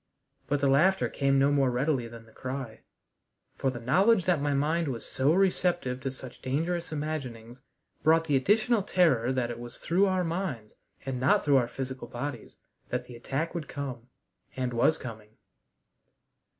But the laughter came no more readily than the cry, for the knowledge that my mind was so receptive to such dangerous imaginings brought the additional terror that it was through our minds and not through our physical bodies that the attack would come, and was coming.